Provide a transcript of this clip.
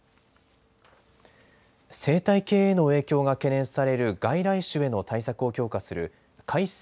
生態系への影響が懸念される外来種への対策を強化する改正